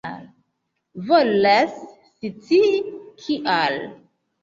Volas scii kial.